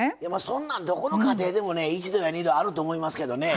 そんなんどこの家庭でもね一度や二度あると思いますけどね。